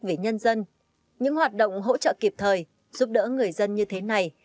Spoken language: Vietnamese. về nhân dân những hoạt động hỗ trợ kịp thời giúp đỡ người dân như thế này